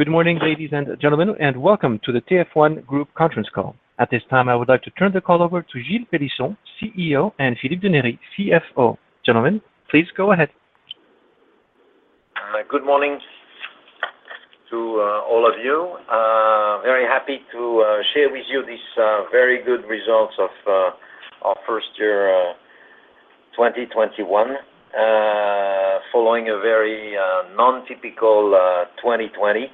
Good morning, ladies and gentlemen, and welcome to the TF1 Group conference call. At this time, I would like to turn the call over to Gilles Pélisson, CEO, and Philippe Denery, CFO. Gentlemen, please go ahead. Good morning to all of you. Very happy to share with you these very good results of our first year, 2021, following a very non-typical 2020.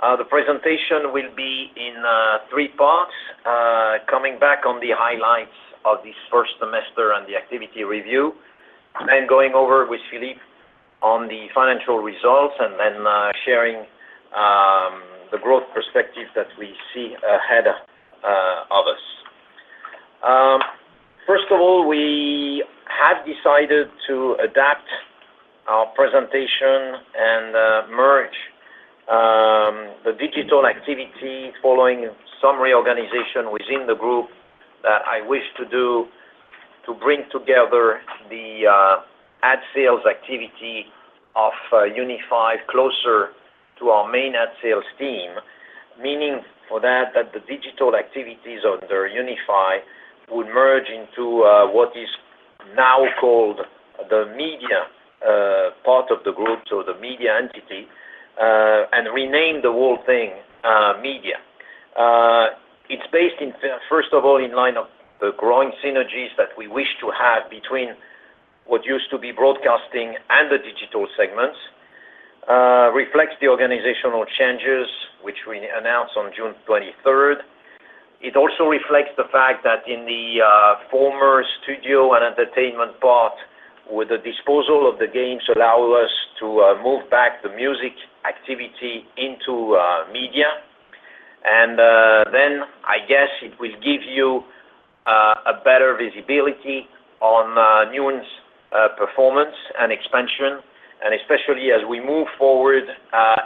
The presentation will be in three parts. Coming back on the highlights of this first semester and the activity review, then going over with Philippe on the financial results, and then sharing the growth perspective that we see ahead of us. First of all, we have decided to adapt our presentation and merge the digital activity following some reorganization within the group that I wish to do to bring together the ad sales activity of Unify closer to our main ad sales team. Meaning for that the digital activities under Unify would merge into what is now called the media part of the group. The media entity, and rename the whole thing Media. It's based, first of all, in line of the growing synergies that we wish to have between what used to be broadcasting and the digital segments. It reflects the organizational changes which we announced on June 23rd. It also reflects the fact that in the former studio and entertainment part, with the disposal of the games allow us to move back the music activity into media. I guess it will give you a better visibility on Newen's performance and expansion, especially as we move forward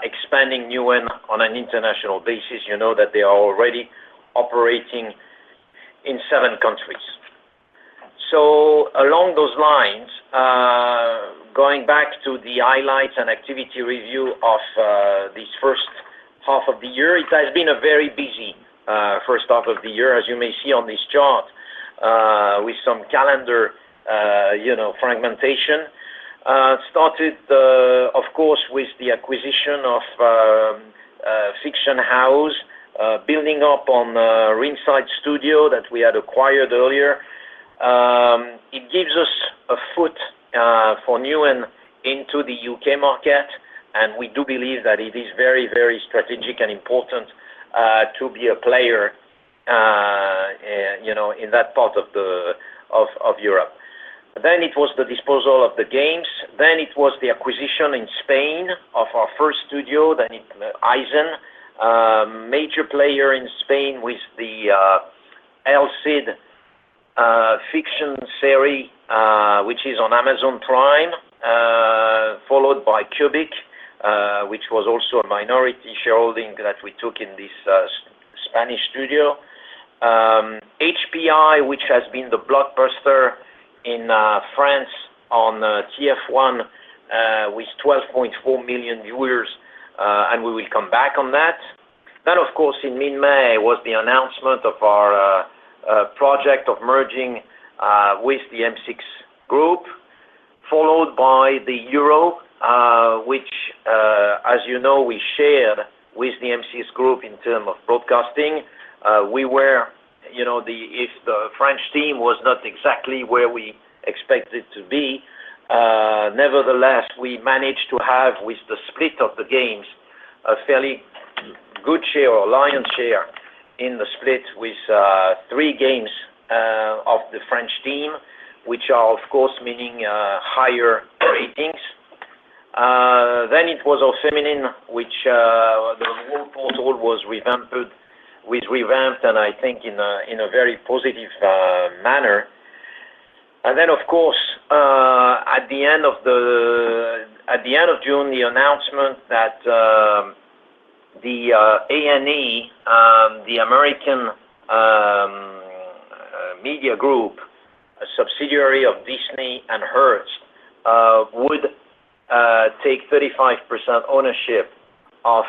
expanding Newen on an international basis. You know that they are already operating in seven countries. Along those lines, going back to the highlights and activity review of this first half of the year. It has been a very busy first half of the year, as you may see on this chart, with some calendar fragmentation. Started, of course, with the acquisition of Fictionhouse, building up on Ringside Studios that we had acquired earlier. It gives us a foot for Newen into the U.K. market. We do believe that it is very strategic and important to be a player in that part of Europe. It was the disposal of the games. It was the acquisition in Spain of our first studio, then in iZen. Major player in Spain with the El Cid fiction series which is on Amazon Prime, followed by Kubik, which was also a minority shareholding that we took in this Spanish studio. HPI, which has been the blockbuster in France on TF1 with 12.4 million viewers, we will come back on that. Of course, in mid-May was the announcement of our project of merging with the M6 Group, followed by the Euro, which as you know, we share with the M6 Group in term of broadcasting. If the French team was not exactly where we expected it to be, nevertheless, we managed to have, with the split of the games, a fairly good share or lion's share in the split with three games of the French team, which are, of course, meaning higher ratings. It was aufeminin, which the whole portal was revamped, and I think in a very positive manner. Then, of course, at the end of June, the announcement that A&E, the American media group, a subsidiary of Disney and Hearst, would take 35% ownership of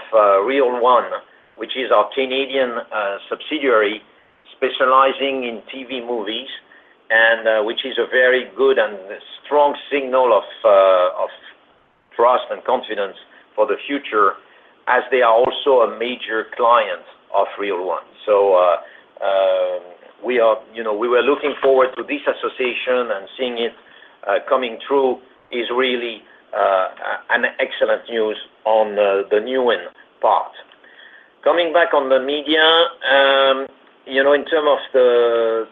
Reel One, which is our Canadian subsidiary specializing in TV movies and which is a very good and strong signal of trust and confidence for the future as they are also a major client of Reel One. We were looking forward to this association and seeing it coming through is really an excellent news on the Newen part. Coming back on the media. In terms of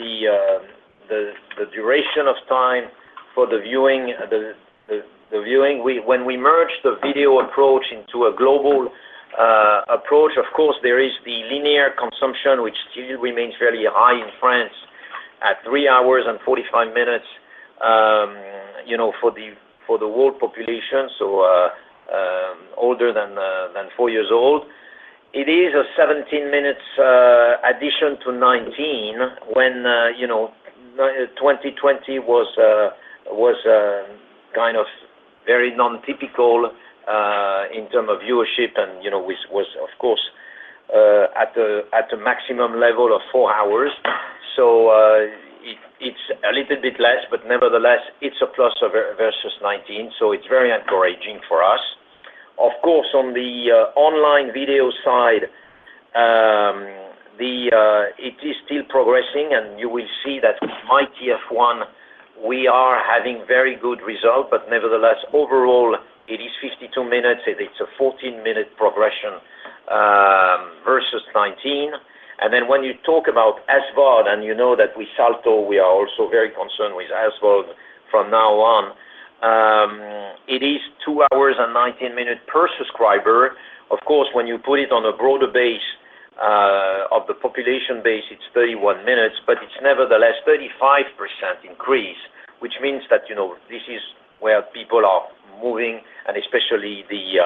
the duration of time for the viewing. When we merge the video approach into a global approach, of course, there is the linear consumption, which still remains fairly high in France at three hours and 45 minutes for the whole population older than four years old. It is a 17 minutes addition to 2019 when 2020 was very non-typical in term of viewership and was, of course, at a maximum level of four hours. It's a little bit less, but nevertheless, it's a plus versus 2019, so it's very encouraging for us. Of course, on the online video side, it is still progressing, and you will see that with MyTF1, we are having very good result. Nevertheless, overall, it is 52 minutes. It's a 14-minute progression versus 2019. When you talk about SVOD, and you know that with Salto, we are also very concerned with SVOD from now on. It is two hours and 19 minutes per subscriber. Of course, when you put it on a broader base of the population base, it is 31 minutes, but it is nevertheless 35% increase, which means that this is where people are moving, and especially the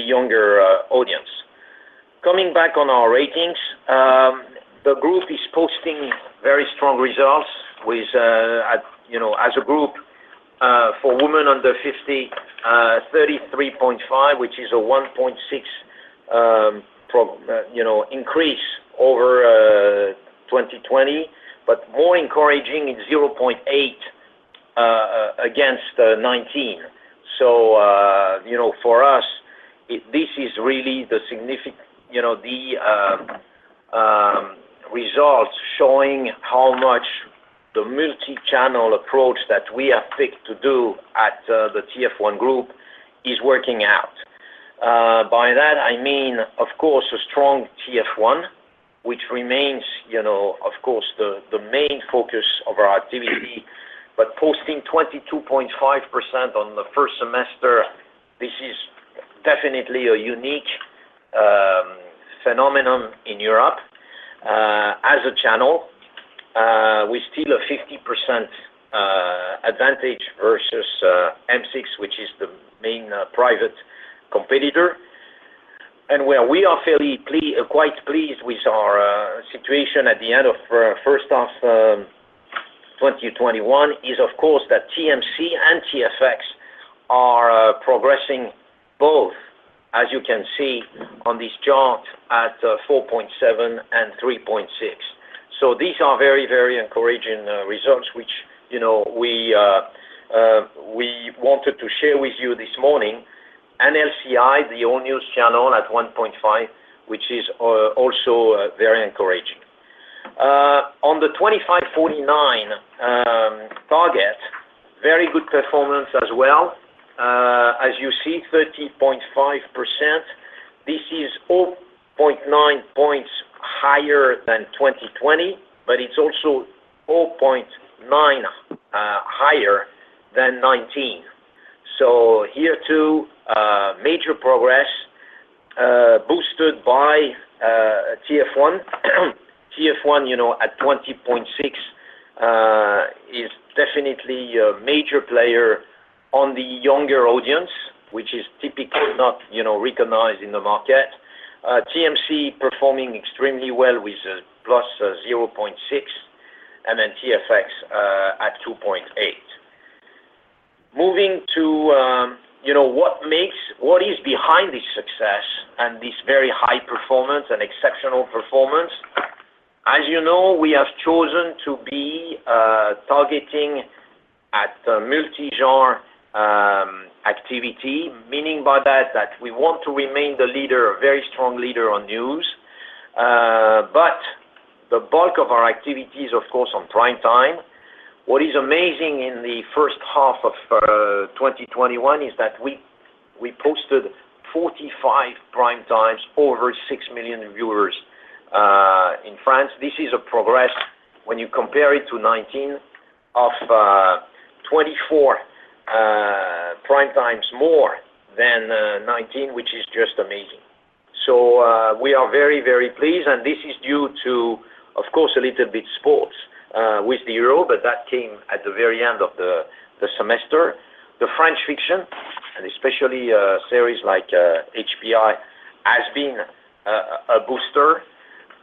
younger audience. Coming back on our ratings. The group is posting very strong results as a group for women under 50, 33.5%, which is a 1.6% increase over 2020. More encouraging is 0.8% against 2019. For us, this is really the results showing how much the multi-channel approach that we have picked to do at the TF1 Group is working out. By that, I mean, of course, a strong TF1, which remains, of course, the main focus of our activity. Posting 22.5% on the first semester, this is definitely a unique phenomenon in Europe. As a channel, we still have 50% advantage versus M6, which is the main private competitor. Where we are fairly quite pleased with our situation at the end of first half 2021 is, of course, that TMC and TFX are progressing both, as you can see on this chart, at 4.7% and 3.6%. These are very encouraging results, which we wanted to share with you this morning. LCI, the all-news channel at 1.5%, which is also very encouraging. On the 25-49 target, very good performance as well. As you see, 30.5%. This is 0.9 points higher than 2020, but it's also 0.9 higher than 2019. Here, too, major progress boosted by TF1. TF1 at 20.6% is definitely a major player on the younger audience, which is typically not recognized in the market. TMC performing extremely well with a +0.6%, and TFX at 2.8%. Moving to what is behind this success and this very high performance and exceptional performance. As you know, we have chosen to be targeting at multi-genre activity, meaning by that, we want to remain the leader, a very strong leader on news. The bulk of our activity is, of course, on prime time. What is amazing in the first half of 2021 is that we posted 45 prime times over six million viewers in France. This is a progress when you compare it to 2019 of 24 prime times more than 2019, which is just amazing. We are very, very pleased, and this is due to, of course, a little bit sports with the Euro, but that came at the very end of the semester. The French fiction, and especially series like HPI, has been a booster.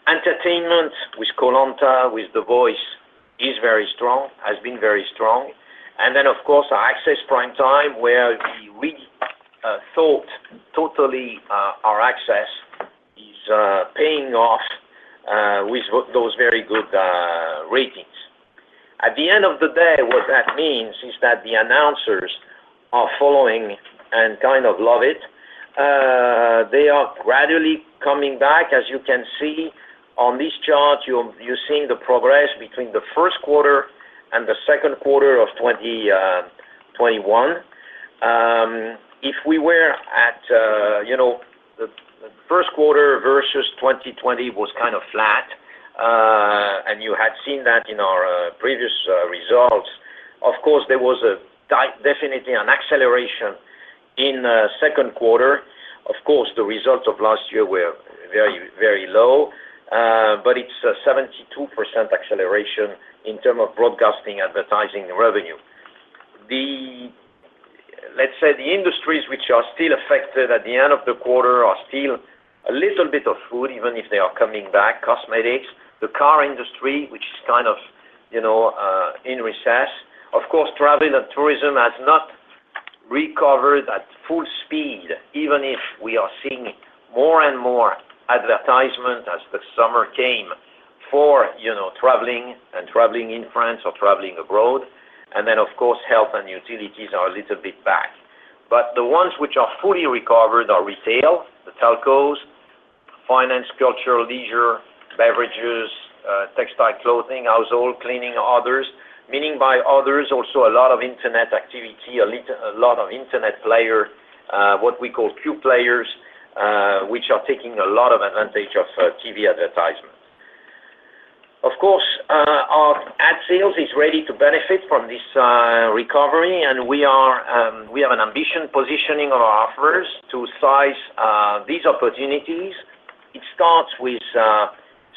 Entertainment with Koh-Lanta, with The Voice is very strong, has been very strong. Of course, our access prime time, where we thought totally our access is paying off with those very good ratings. At the end of the day, what that means is that the advertisers are following and kind of love it. They are gradually coming back, as you can see on this chart. You're seeing the progress between the first quarter and the second quarter of 2021. The first quarter versus 2020 was kind of flat, and you had seen that in our previous results. There was definitely an acceleration in second quarter. The results of last year were very low. It's a 72% acceleration in terms of broadcasting advertising revenue. Let's say the industries which are still affected at the end of the quarter are still a little bit of food, even if they are coming back. Cosmetics, the car industry, which is kind of in recess. Of course, travel and tourism has not recovered at full speed, even if we are seeing more and more advertisement as the summer came for traveling, and traveling in France or traveling abroad. Of course, health and utilities are a little bit back. The ones which are fully recovered are retail, the telcos, finance, culture, leisure, beverages, textile, clothing, household, cleaning, others, meaning by others, also a lot of internet activity, a lot of internet player, what we call pure players, which are taking a lot of advantage of TV advertisement. Of course, our ad sales is ready to benefit from this recovery, and we have an ambition positioning our offers to size these opportunities. It starts with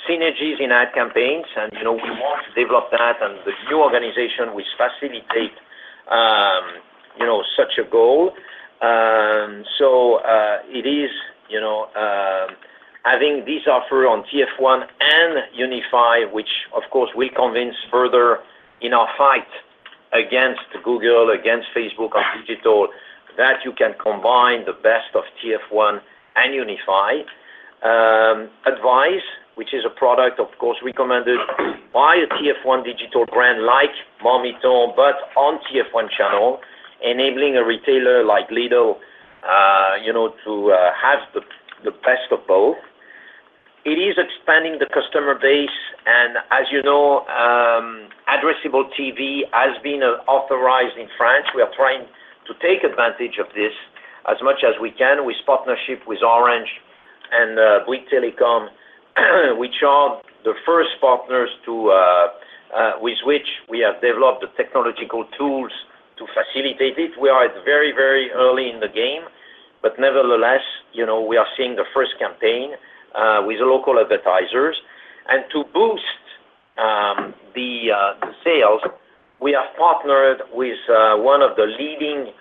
synergies in ad campaigns, and we want to develop that and the new organization will facilitate such a goal. It is having this offer on TF1 and Unify, which of course will convince further in our fight against Google, against Facebook, on digital, that you can combine the best of TF1 and Unify. Ad’vise, which is a product, of course, recommended by a TF1 digital brand like Marmiton, but on TF1 channel, enabling a retailer like Lidl to have the best of both. It is expanding the customer base and as you know addressable TV has been authorized in France. We are trying to take advantage of this as much as we can with partnership with Orange and Bouygues Telecom, which are the first partners with which we have developed the technological tools to facilitate it. We are at very early in the game, nevertheless, we are seeing the first campaign with local advertisers. To boost the sales, we have partnered with one of the leading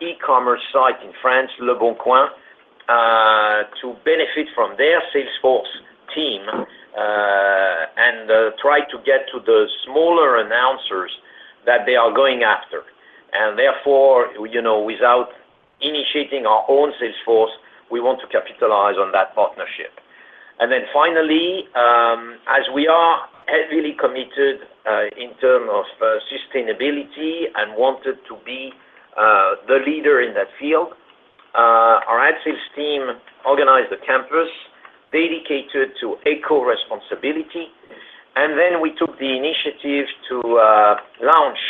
e-commerce site in France, Leboncoin, to benefit from their sales force team and try to get to the smaller announcers that they are going after. Therefore, without initiating our own sales force, we want to capitalize on that partnership. Then finally, as we are heavily committed in terms of sustainability and wanted to be the leader in that field, our ad sales team organized a campus dedicated to eco-responsibility. Then we took the initiative to launch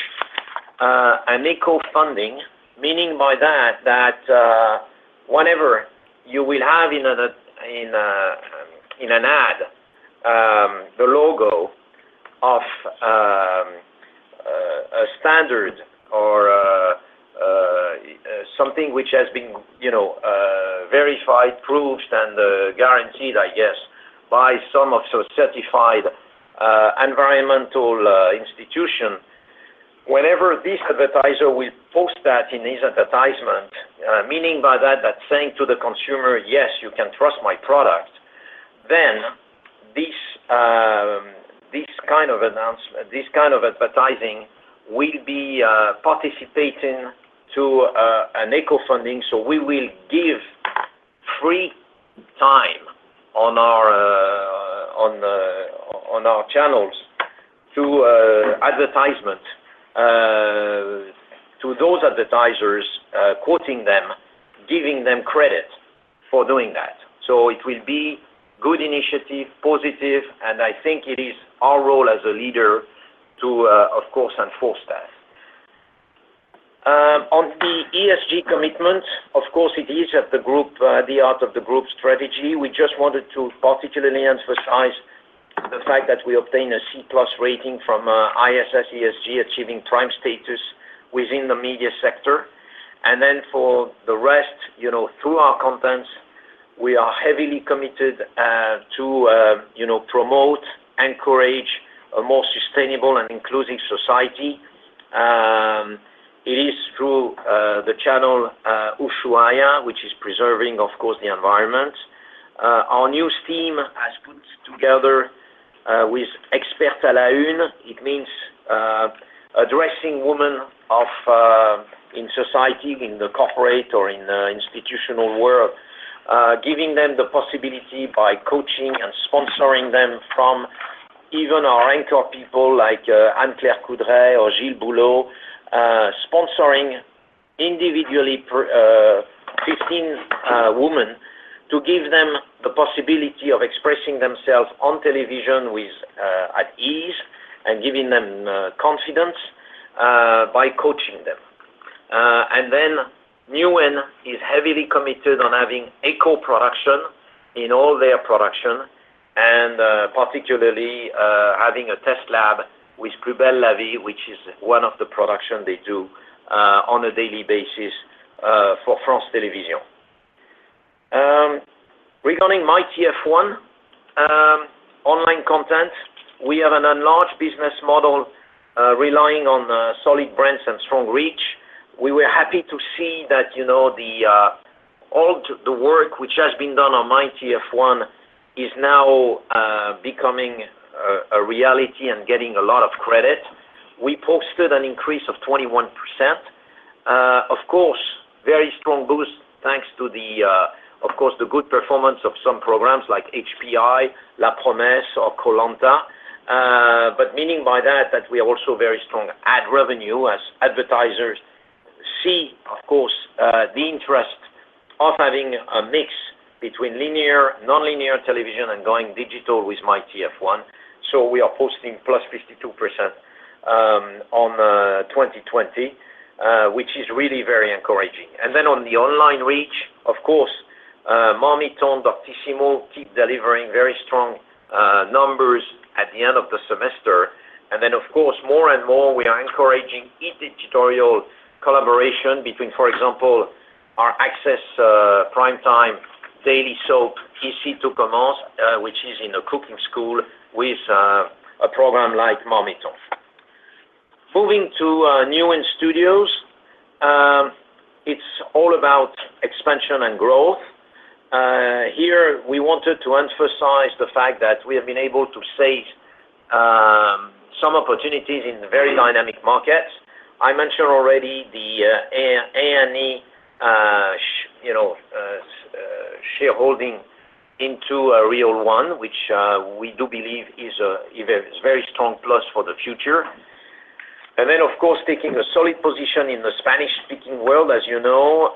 an EcoFunding, meaning by that whenever you will have in an ad, the logo of a standard or something which has been verified, proved, and guaranteed, I guess, by some certified environmental institution. Whenever this advertiser will post that in his advertisement, meaning by that saying to the consumer, yes, you can trust my product, then this kind of advertising will be participating to an EcoFunding. We will give free time on our channels through advertisement to those advertisers, quoting them, giving them credit for doing that. It will be good initiative, positive, and I think it is our role as a leader to, of course, enforce that. On the ESG commitment, of course, it is at the heart of the Group strategy. We just wanted to particularly emphasize the fact that we obtain a C+ rating from ISS ESG, achieving prime status within the media sector. Then for the rest, through our contents, we are heavily committed to promote, encourage a more sustainable and inclusive society. It is through the channel Ushuaïa, which is preserving, of course, the environment. Our news team has put together with Expertes à la Une. It means addressing women in society, in the corporate or in the institutional world, giving them the possibility by coaching and sponsoring them from even our anchor people like Anne-Claire Coudray or Gilles Bouleau sponsoring individually 15 women to give them the possibility of expressing themselves on television at ease and giving them confidence by coaching them. Newen is heavily committed on having eco-production in all their production and particularly having a test lab with Plus belle la vie, which is one of the production they do on a daily basis for France Télévisions. MyTF1 online content. We have an enlarged business model relying on solid brands and strong reach. We were happy to see that all the work which has been done on MyTF1 is now becoming a reality and getting a lot of credit. We posted an increase of 21%. Of course, very strong boost thanks to the good performance of some programs like HPI, La Promesse, or Koh-Lanta. Meaning by that we are also very strong ad revenue as advertisers see, of course, the interest of having a mix between linear, nonlinear television, and going digital with MyTF1. We are posting +52% on 2020, which is really very encouraging. On the online reach, of course, Marmiton, Doctissimo keep delivering very strong numbers at the end of the semester. Of course, more and more, we are encouraging editorial collaboration between, for example, our access primetime daily soap, Ici tout commence, which is in a cooking school with a program like Marmiton. Moving to Newen Studios. It's all about expansion and growth. Here, we wanted to emphasize the fact that we have been able to seize some opportunities in very dynamic markets. I mentioned already the A&E shareholding into Reel One, which we do believe is a very strong plus for the future. Of course, taking a solid position in the Spanish-speaking world, as you know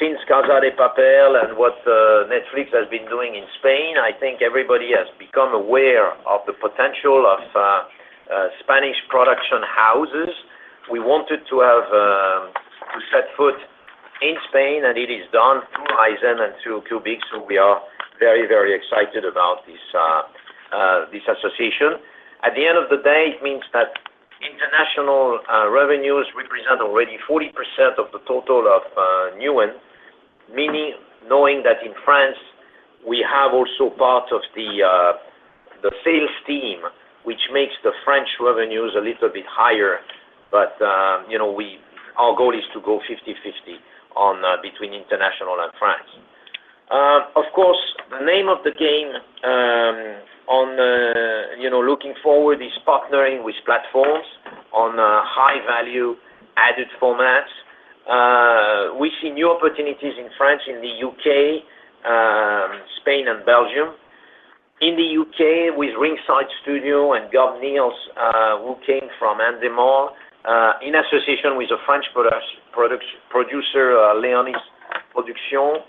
since La Casa de Papel and what Netflix has been doing in Spain, I think everybody has become aware of the potential of Spanish production houses. We wanted to set foot in Spain, and it is done through iZen and through Kubik Films. We are very excited about this association. At the end of the day, it means that international revenues represent already 40% of the total of Newen. Meaning, knowing that in France, we have also part of the sales team, which makes the French revenues a little bit higher, but our goal is to go 50/50 between international and France. Of course, the name of the game looking forward is partnering with platforms on high-value added formats. We see new opportunities in France, in the U.K., Spain, and Belgium. In the U.K. with Ringside Studios and Gub Neal, who came from Endemol, in association with a French producer, Leonis Productions.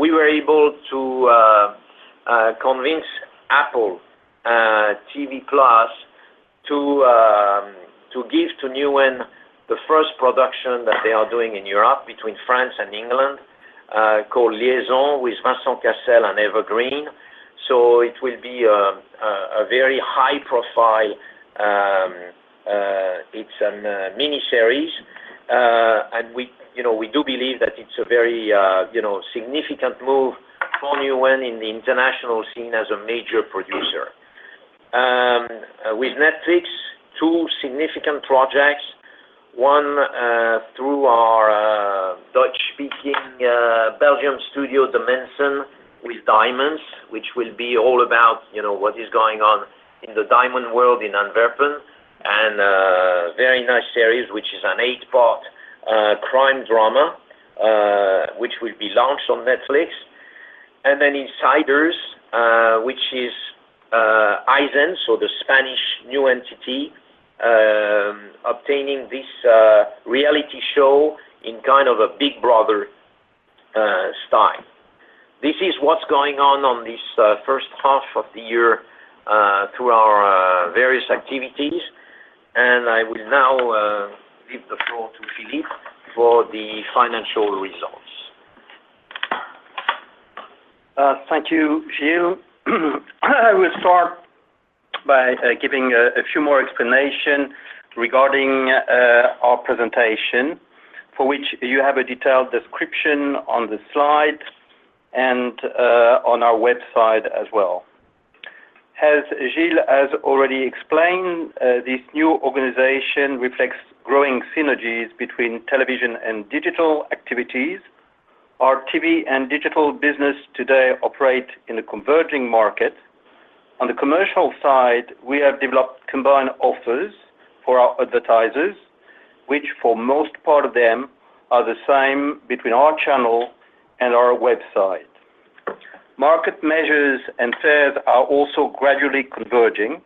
We were able to convince Apple TV+ to give to Newen the first production that they are doing in Europe between France and England, called Liaison with Vincent Cassel and Eva Green. It will be a very high profile. It's a miniseries. We do believe that it's a very significant move for Newen in the international scene as a major producer. With Netflix, two significant projects. One through our Dutch-speaking Belgium studio, De Mensen with Rough Diamonds, which will be all about what is going on in the diamond world in Antwerp, and a very nice series, which is an eight-part crime drama, which will be launched on Netflix. Then Insiders, which is iZen, so the Spanish new entity obtaining this reality show in kind of a Big Brother style. This is what's going on on this first half of the year through our various activities, and I will now give the floor to Philippe for the financial results. Thank you, Gilles. I will start by giving a few more explanations regarding our presentation for which you have a detailed description on the slide and on our website as well. As Gilles has already explained, this new organization reflects growing synergies between television and digital activities. Our TV and digital business today operate in a converging market. On the commercial side, we have developed combined offers for our advertisers, which for most part of them, are the same between our channel and our website. Market measures and sales are also gradually converging.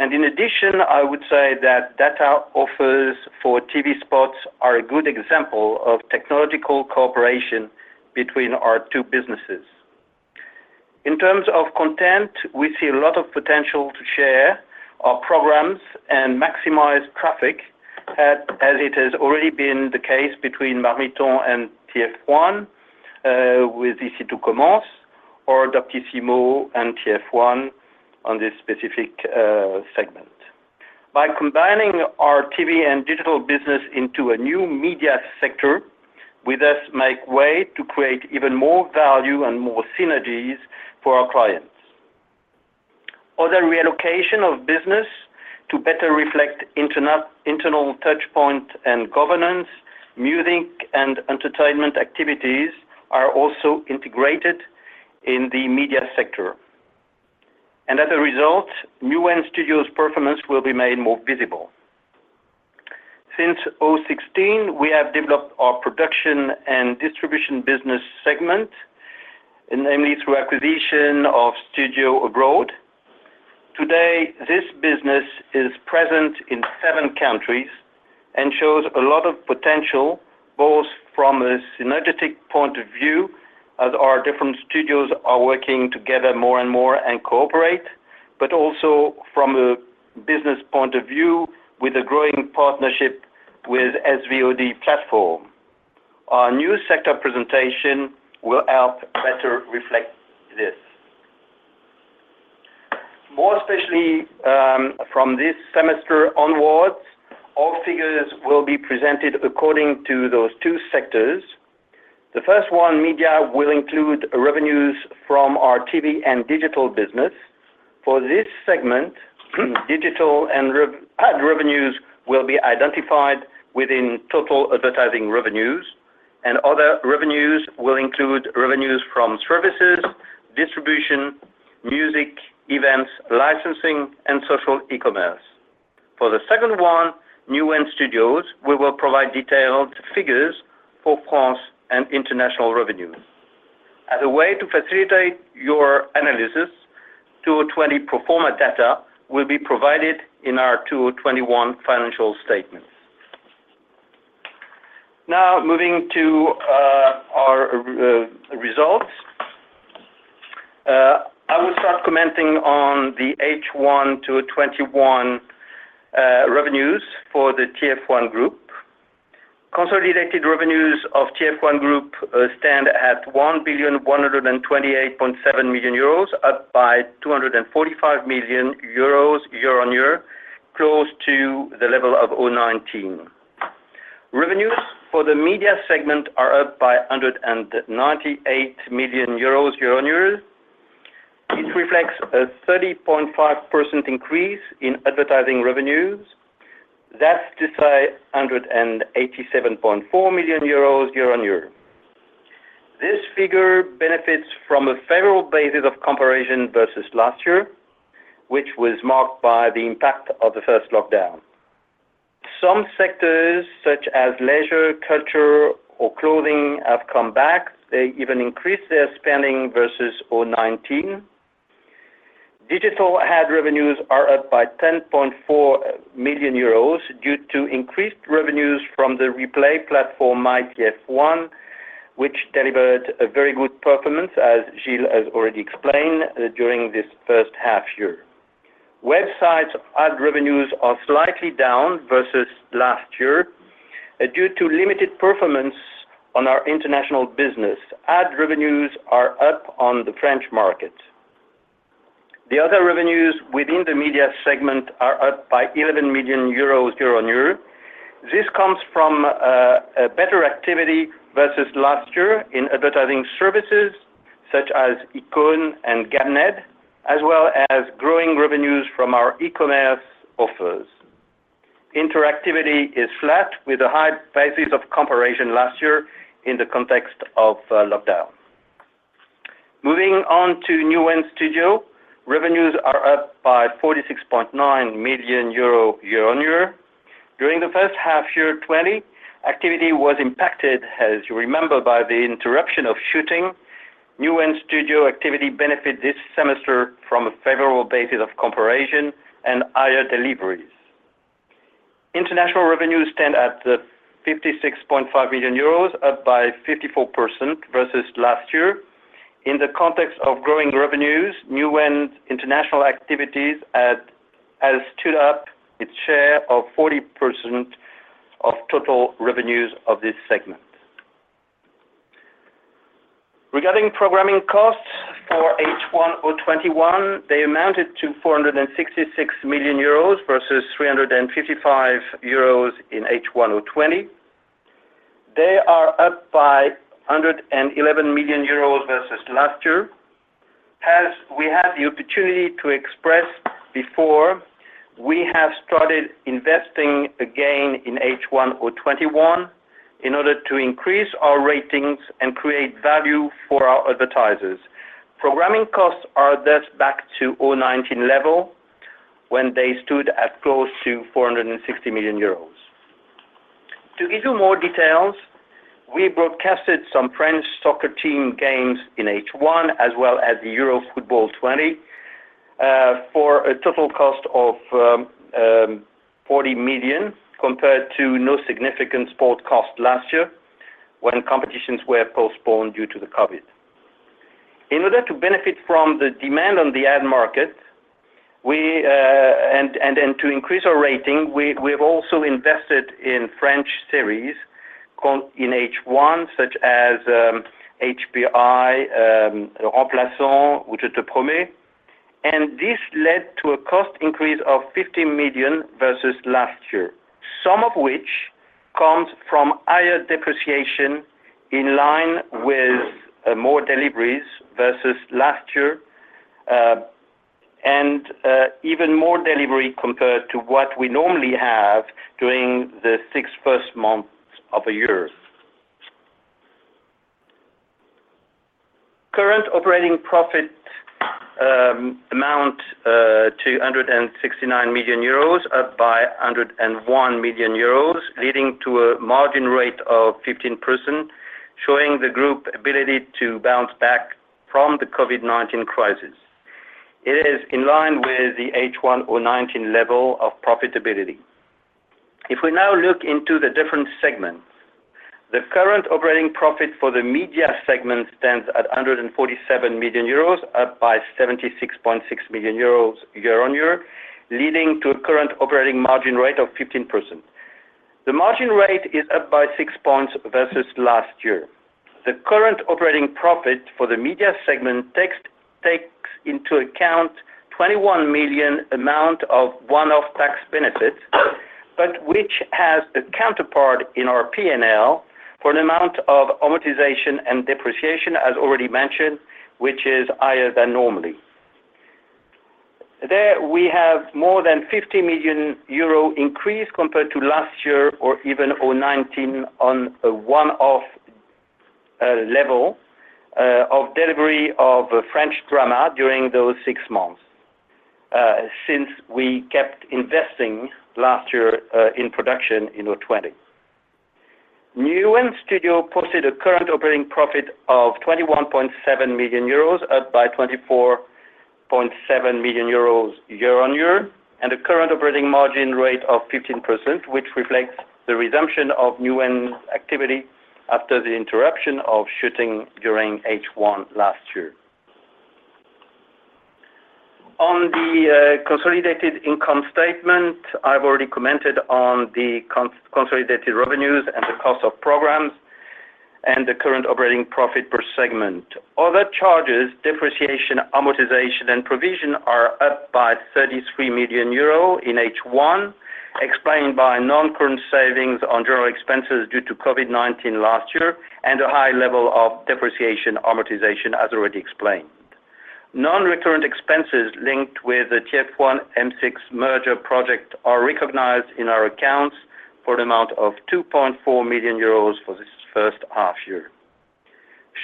In addition, I would say that data offers for TV spots are a good example of technological cooperation between our two businesses. In terms of content, we see a lot of potential to share our programs and maximize traffic as it has already been the case between Marmiton and TF1 with Ici tout commence or Doctissimo and TF1 on this specific segment. By combining our TV and digital business into a new media sector, we thus make way to create even more value and more synergies for our clients. Other reallocation of business to better reflect internal touchpoint and governance, music and entertainment activities are also integrated in the media sector. As a result, Newen Studios' performance will be made more visible. Since 2016, we have developed our production and distribution business segment, namely through acquisition of studio abroad. Today, this business is present in seven countries and shows a lot of potential, both from a synergetic point of view as our different studios are working together more and more and cooperate, but also from a business point of view with a growing partnership with SVOD platform. Our new sector presentation will help better reflect this. Especially, from this semester onwards, all figures will be presented according to those two sectors. The first one, media, will include revenues from our TV and digital business. For this segment, digital and ad revenues will be identified within total advertising revenues. Other revenues will include revenues from services, distribution, music, events, licensing, and social e-commerce. For the second one, Newen Studios, we will provide detailed figures for France and international revenues. As a way to facilitate your analysis, 2020 pro forma data will be provided in our 2021 financial statements. Now, moving to our results. I will start commenting on the H1 2021 revenues for the TF1 Group. Consolidated revenues of TF1 Group stand at 1,128.7 million euros, up by 245 million euros year-over-year, close to the level of 2019. Revenues for the media segment are up by 198 million euros year-over-year. This reflects a 30.5% increase in advertising revenues. That's to say 187.4 million euros year-over-year. This figure benefits from a favorable basis of comparison versus last year, which was marked by the impact of the first lockdown. Some sectors such as leisure, culture or clothing have come back. They even increased their spending versus 2019. Digital ad revenues are up by 10.4 million euros due to increased revenues from the replay platform MyTF1, which delivered a very good performance, as Gilles has already explained during this first half year. Website ad revenues are slightly down versus last year due to limited performance on our international business. Ad revenues are up on the French market. The other revenues within the media segment are up by 11 million euros year-on-year. This comes from a better activity versus last year in advertising services such as Ykone and Gamned!, as well as growing revenues from our e-commerce offers. Interactivity is flat with a high basis of comparison last year in the context of lockdown. Moving on to Newen Studios. Revenues are up by 46.9 million euro year-on-year. During the first half year 2020, activity was impacted, as you remember, by the interruption of shooting. Newen Studios activity benefit this semester from a favorable basis of comparison and higher deliveries. International revenues stand at 56.5 million euros, up by 54% versus last year. In the context of growing revenues, Newen international activities has stood up its share of 40% of total revenues of this segment. Regarding programming costs for H1 2021, they amounted to 466 million euros versus 355 euros in H1 2020. They are up by 111 million euros versus last year. As we had the opportunity to express before, we have started investing again in H1 2021 in order to increase our ratings and create value for our advertisers. Programming costs are thus back to 2019 level when they stood at close to 460 million euros. To give you more details, we broadcasted some French soccer team games in H1, as well as the UEFA Euro 2020, for a total cost of 40 million, compared to no significant sport cost last year when competitions were postponed due to the COVID-19. In order to benefit from the demand on the ad market, to increase our rating, we've also invested in French series in H1, such as HPI, Le Remplaçant, Je te promets, and this led to a cost increase of 15 million versus last year, some of which comes from higher depreciation in line with more deliveries versus last year, and even more delivery compared to what we normally have during the six first months of a year. Current operating profit amount to 169 million euros, up by 101 million euros, leading to a margin rate of 15%, showing the group ability to bounce back from the COVID-19 crisis. It is in line with the H1 2019 level of profitability. If we now look into the different segments, the current operating profit for the media segment stands at 147 million euros, up by 76.6 million euros year-on-year, leading to a current operating margin rate of 15%. The margin rate is up by six points versus last year. The current operating profit for the media segment takes into account 21 million amount of one-off tax benefits, but which has the counterpart in our P&L for an amount of amortization and depreciation as already mentioned, which is higher than normally. There we have more than 50 million euro increase compared to last year or even 2019 on a one-off level of delivery of French drama during those six months, since we kept investing last year in production in 2020. Newen Studios posted a current operating profit of 21.7 million euros, up by 24.7 million euros year-on-year, and a current operating margin rate of 15%, which reflects the resumption of Newen activity after the interruption of shooting during H1 last year. On the consolidated income statement, I've already commented on the consolidated revenues and the cost of programs and the current operating profit per segment. Other charges, depreciation, amortization, and provision are up by 33 million euro in H1, explained by non-current savings on general expenses due to COVID-19 last year, and a high level of depreciation amortization as already explained. Non-recurrent expenses linked with the TF1-M6 merger project are recognized in our accounts for an amount of 2.4 million euros for this first half year.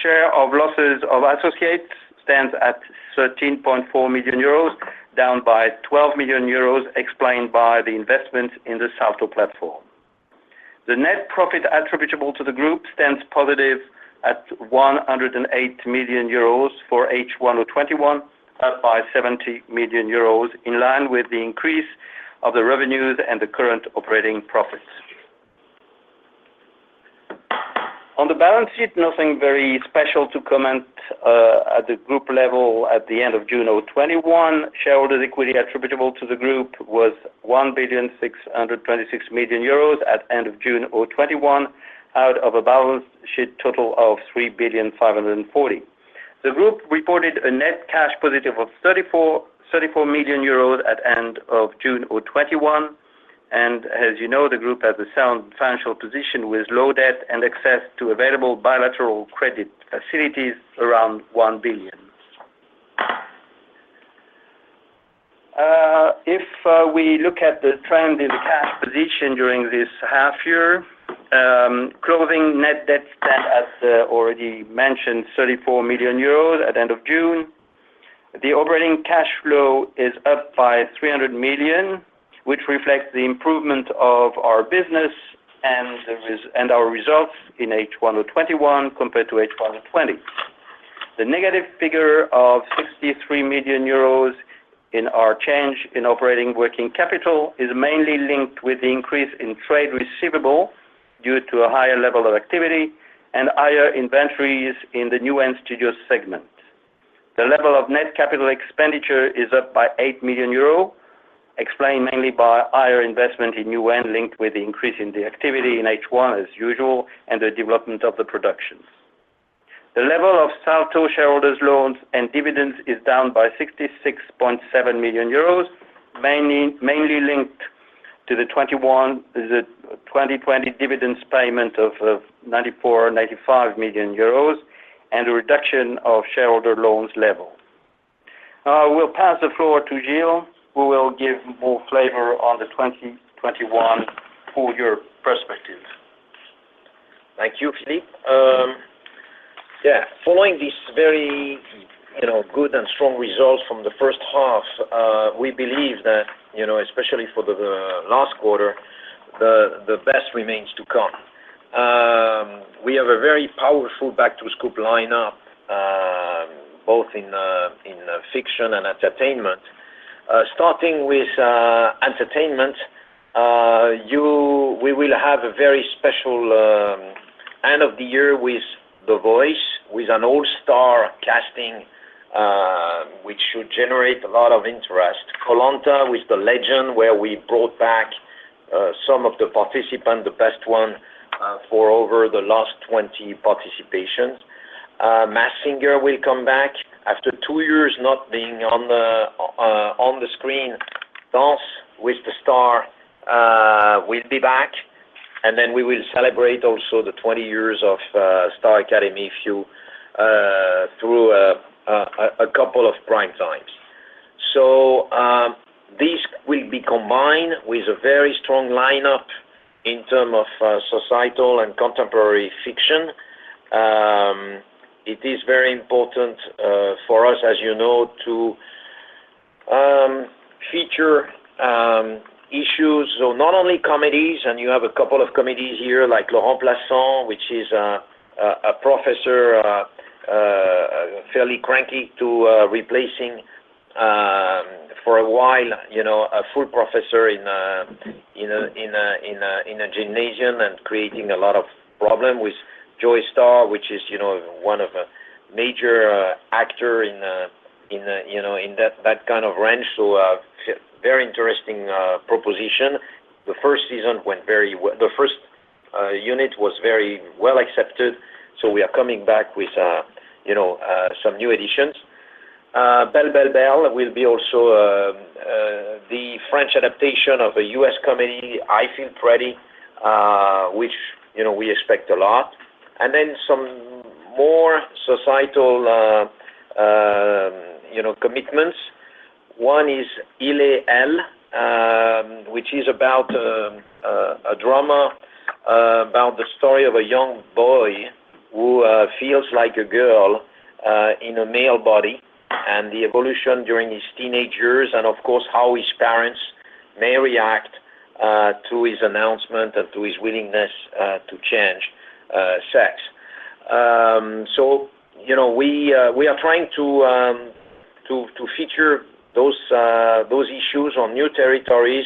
Share of losses of associates stands at 13.4 million euros, down by 12 million euros, explained by the investment in the Salto platform. The net profit attributable to the group stands positive at 108 million euros for H1 2021, up by 70 million euros, in line with the increase of the revenues and the current operating profits. On the balance sheet, nothing very special to comment. At the group level at the end of June 2021, shareholders' equity attributable to the group was 1.626 billion euros at end of June 2021, out of a balance sheet total of 3.540 billion. The group reported a net cash positive of 34 million euros at end of June 2021. As you know, the group has a sound financial position with low debt and access to available bilateral credit facilities around EUR 1 billion. If we look at the trend in the cash position during this half year. Closing net debt stand as already mentioned, 34 million euros at end of June. The operating cash flow is up by 300 million, which reflects the improvement of our business and our results in H1 2021 compared to H1 2020. The negative figure of 63 million euros in our change in operating working capital is mainly linked with the increase in trade receivable due to a higher level of activity and higher inventories in the Newen Studios segment. The level of net capital expenditure is up by 8 million euros, explained mainly by higher investment in Newen linked with the increase in the activity in H1 as usual, and the development of the productions. The level of Salto shareholders' loans and dividends is down by 66.7 million euros, mainly linked to the 2020 dividends payment of 94 million, 95 million euros and the reduction of shareholder loans level. I will pass the floor to Gilles, who will give more flavor on the 2021 full year perspective. Thank you, Philippe. Yeah. Following these very good and strong results from the first half, we believe that, especially for the last quarter, the best remains to come. We have a very powerful back-to-school lineup, both in fiction and entertainment. Starting with entertainment, we will have a very special end of the year with The Voice, with an all-star casting. Should generate a lot of interest. Koh-Lanta, with the legend, where we brought back some of the participants, the best ones for over the last 20 participations. Masked Singer will come back after two years not being on the screen. Dance with the Stars will be back, and then we will celebrate also the 20 years of Star Academy through a couple of primetimes. This will be combined with a very strong lineup in term of societal and contemporary fiction. It is very important for us, as you know, to feature issues. Not only comedies, and you have a couple of comedies here, like Le Remplaçant, which is a professor, fairly cranky to replacing for a while, a full professor in a gymnasium and creating a lot of problem with JoeyStarr, which is one of a major actor in that kind of range. Very interesting proposition. The first unit was very well accepted. We are coming back with some new additions. Belle, belle, belle will be also the French adaptation of a U.S. comedy, I Feel Pretty, which we expect a lot. Some more societal commitments. One is Il est elle, which is about a drama about the story of a young boy who feels like a girl in a male body, and the evolution during his teenage years, and, of course, how his parents may react to his announcement and to his willingness to change sex. We are trying to feature those issues on new territories.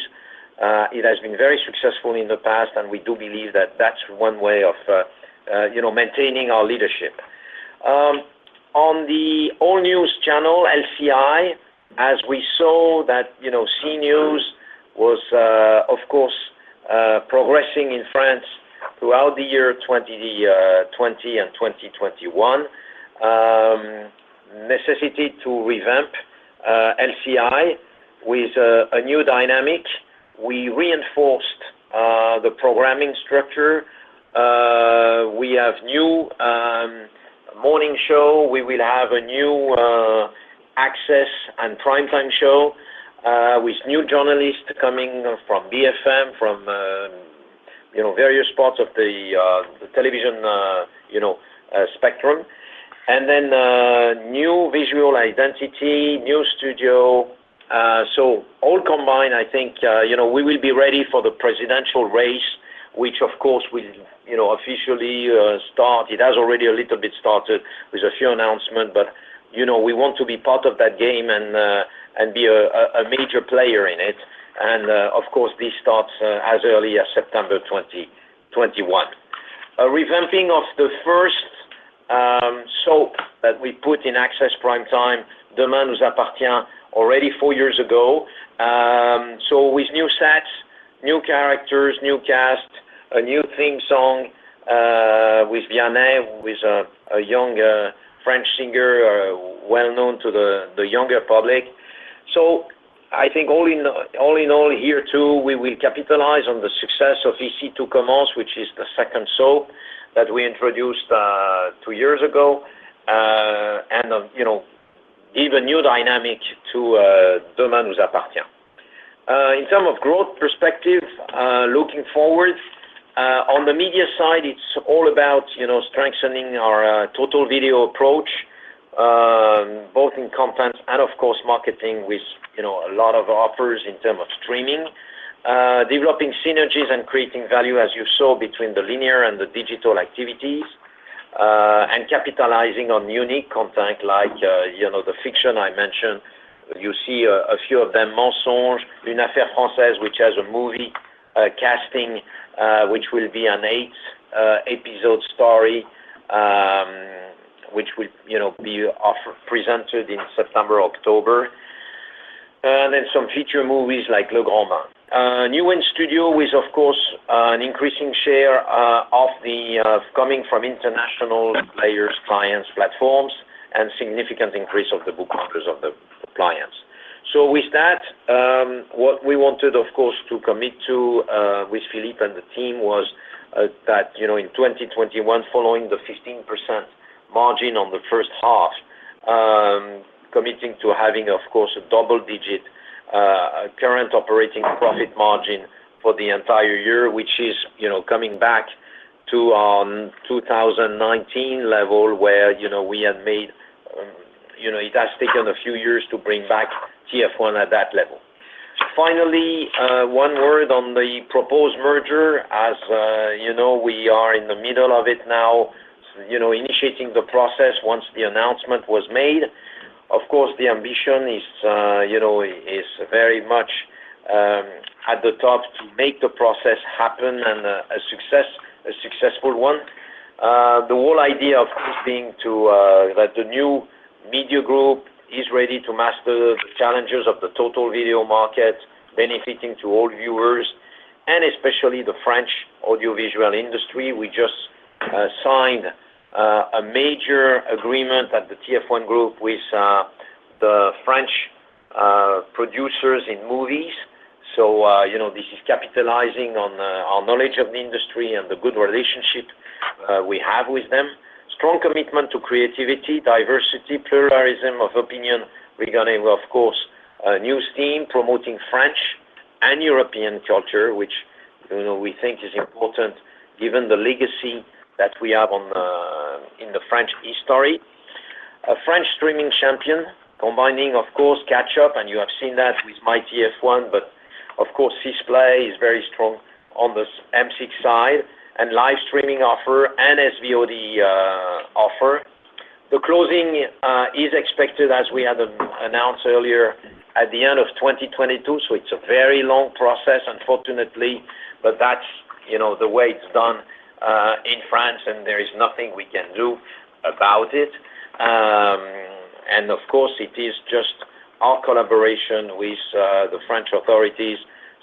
It has been very successful in the past, and we do believe that that's one way of maintaining our leadership. On the all-news channel, LCI, as we saw that CNews was, of course, progressing in France throughout the year 2020 and 2021. Necessity to revamp LCI with a new dynamic. We reinforced the programming structure. We have new morning show. We will have a new access and primetime show with new journalists coming from BFM, from various parts of the television spectrum. New visual identity, new studio. All combined, I think we will be ready for the presidential race, which, of course, will officially start. It has already a little bit started with a few announcements, but we want to be part of that game and be a major player in it. Of course, this starts as early as September 2021. A revamping of the first soap that we put in access prime time, Demain nous appartient, already four years ago. With new sets, new characters, new cast, a new theme song with Vianney, who is a young French singer, well known to the younger public. I think all in all, here, too, we will capitalize on the success of Ici tout commence, which is the second soap that we introduced two years ago. Give a new dynamic to Demain nous appartient. In terms of growth perspective, looking forward. On the media side, it's all about strengthening our total video approach, both in content and, of course, marketing with a lot of offers in terms of streaming. Developing synergies and creating value, as you saw, between the linear and the digital activities, and capitalizing on unique content like the fiction I mentioned. You see a few of them, Mensonges, Une affaire française, which has a movie casting which will be an eight-episode story, which will be presented in September or October. Then some feature movies like, Le Grand Bain. Newen Studios with, of course, an increasing share coming from international players, clients, platforms, and significant increase of the book counters of the clients. With that, what we wanted, of course, to commit to with Philippe and the team was that in 2021, following the 15% margin on the first half, committing to having, of course, a double digit current operating profit margin for the entire year, which is coming back to 2019 level where we had made. It has taken a few years to bring back TF1 at that level. Finally, one word on the proposed merger. As you know, we are in the middle of it now, initiating the process once the announcement was made. The ambition is very much at the top to make the process happen and a successful one. The whole idea of this being that the new media group is ready to master the challenges of the total video market, benefiting to all viewers, and especially the French audiovisual industry. We just signed a major agreement at the TF1 Group with the French producers in movies. This is capitalizing on our knowledge of the industry and the good relationship we have with them. Strong commitment to creativity, diversity, pluralism of opinion regarding, of course, a new theme promoting French and European culture, which we think is important given the legacy that we have in the French history. A French streaming champion combining, of course, catch-up, and you have seen that with MyTF1, but of course, display is very strong on the M6 side, and live streaming offer and SVOD offer. The closing is expected, as we had announced earlier, at the end of 2022. It's a very long process, unfortunately, but that's the way it's done in France, and there is nothing we can do about it. Of course, it is just our collaboration with the French authorities,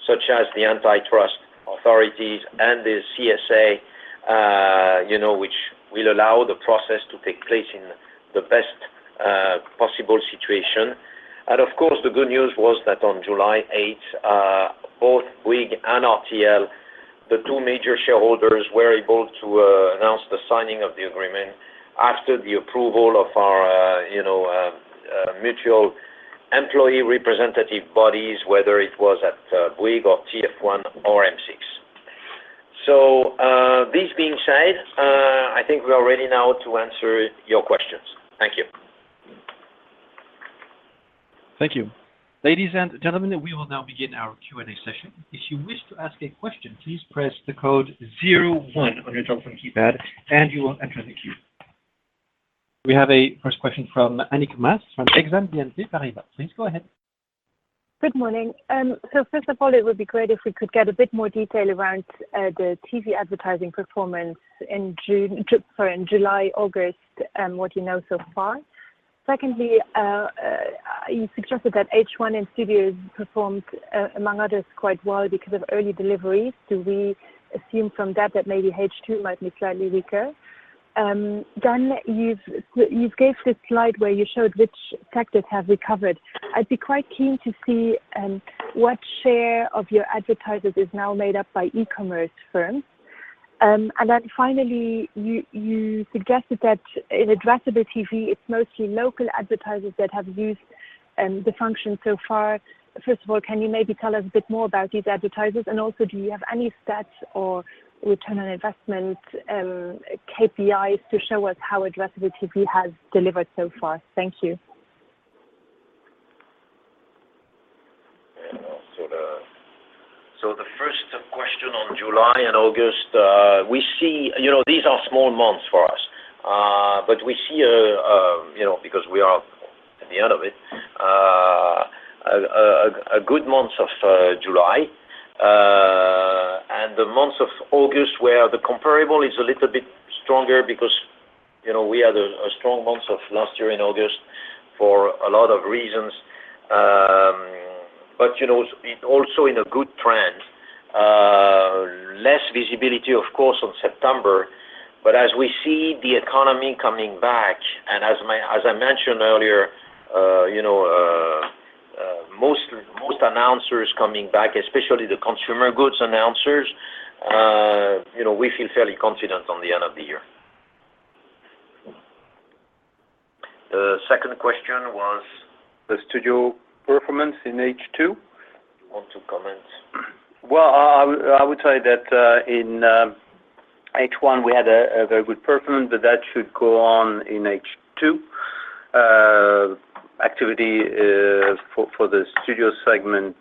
such as the antitrust authorities and the CSA, which will allow the process to take place in the best possible situation. Of course, the good news was that on July 8th, both Bouygues and RTL, the two major shareholders, were able to announce the signing of the agreement after the approval of our mutual employee representative bodies, whether it was at Bouygues or TF1 or M6. This being said, I think we are ready now to answer your questions. Thank you. Thank you. Ladies and gentlemen, we will now begin our Q&A session. If you wish to ask a question, please press the code zero one on your telephone keypad, and you will enter the queue. We have a first question from Annick Maas from Exane BNP Paribas. Please go ahead. Good morning. First of all, it would be great if we could get a bit more detail around the TV advertising performance in July, August, and what you know so far. Secondly, you suggested that H1 in studios performed, among others, quite well because of early deliveries. Do we assume from that that maybe H2 might be slightly weaker? You gave this slide where you showed which sectors have recovered. I'd be quite keen to see what share of your advertisers is now made up by e-commerce firms. Finally, you suggested that in addressable TV, it's mostly local advertisers that have used the function so far. First of all, can you maybe tell us a bit more about these advertisers? Also, do you have any stats or return on investment, KPIs to show us how addressable TV has delivered so far? Thank you. The first question on July and August. These are small months for us. We see, because we are at the end of it, a good month of July. The month of August, where the comparable is a little bit stronger because we had a strong month of last year in August for a lot of reasons. Also in a good trend. Less visibility, of course, on September. As we see the economy coming back, and as I mentioned earlier, most announcers coming back, especially the consumer goods announcers, we feel fairly confident on the end of the year. The second question was? The studio performance in H2. You want to comment? Well, I would say that in H1, we had a very good performance, but that should go on in H2. Activity for the studio segment